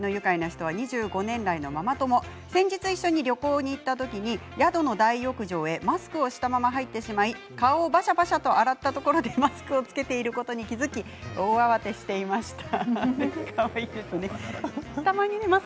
２５年来のママ友と先月末に旅行に行ったときに宿の大浴場にマスクをしたまま入ってしまい顔をバシャバシャと洗ったところでマスクを着けていることに気付き大慌てしていました。